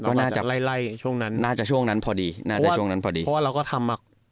ก็น่าจะไล่ไล่ช่วงนั้นน่าจะช่วงนั้นพอดีน่าจะช่วงนั้นพอดีเพราะว่าเราก็ทำมา